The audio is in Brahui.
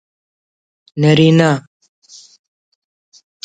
نرینہ